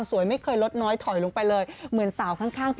สวยมากจริงนะครับสวยมากจริงนะครับ